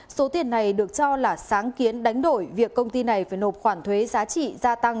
số tiền này được cho là sáng kiến đánh đổi việc công ty này phải nộp khoản thuế giá trị gia tăng